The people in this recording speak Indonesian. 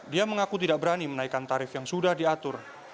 dia mengaku tidak berani menaikkan tarif yang sudah diatur